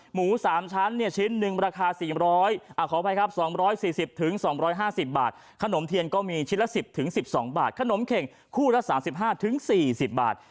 หมู๓ชั้นชิ้นหนึ่งราคา๔๐๐ขออภัยครับ๒๔๐๒๕๐บาทขนมเทียนก็มีชิ้นละ๑๐๑๒บาทขนมเข่งคู่ละ๓๕๔๐บาท